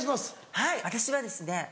はい私はですね。